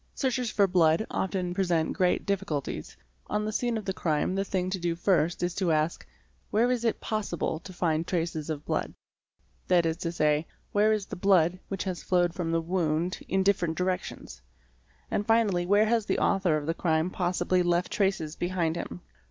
Searches for blood often present great difficulties. On the scene of the crime the thing to do first is to ask: where is it possible to find traces of blood ? that is to say, where is the blood which has flowed from the wound in different directions? and finally where has the author of the crime possibly left traces behind him?